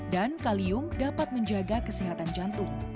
dan kalium dapat menjaga kesehatan jantung